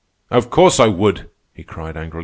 "Of course I would," he cried angrily.